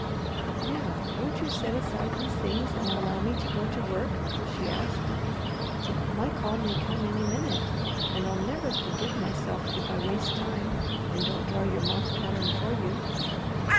"Now won't you set aside these things and allow me to go to work?" she asked. "My call may come any minute, and I'll never forgive myself if I waste time, and don't draw your moth pattern for you."